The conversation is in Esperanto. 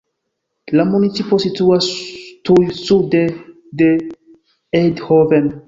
La municipo situas tuj sude de Eindhoven.